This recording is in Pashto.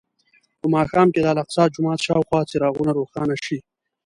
په ماښام کې د الاقصی جومات شاوخوا څراغونه روښانه شي.